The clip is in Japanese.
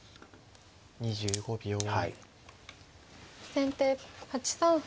先手８三歩。